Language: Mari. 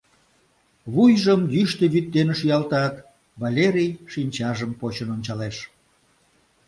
Вуйжым йӱштӧ вӱд дене шӱалтат, Валерий шинчажым почын ончалеш.